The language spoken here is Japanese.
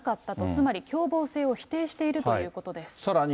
つまり、共謀性を否定しているということです。